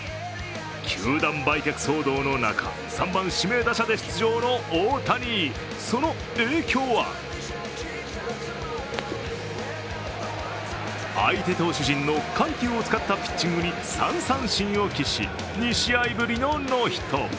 球団売却騒動の中、３番・指名打者で出場の大谷その影響は相手投手陣の緩急を使ったピッチングに３三振を喫し、２試合ぶりのノーヒット。